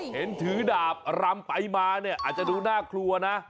เห็นถือดาบรำไปมาเนี่ยอาจจะดูน่ากลัวนะ